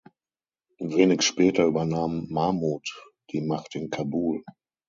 Wenig später übernahm Mahmud die Macht in Kabul.